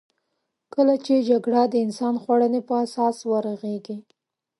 کله چې جګړه د انسان خوړنې په اساس ورغېږې.